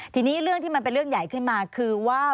ทีนี้เรื่องที่มันเป็นเรื่องใหญ่ขึ้นมาคือว่า